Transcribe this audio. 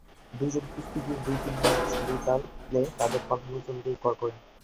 দুইজন কুস্তিগির দুই-তিন মিনিট সময়কালে তাদের পারফরমেন্স অনুযায়ী স্কোর করেন।